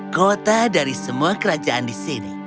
kota dari semua kerajaan di sini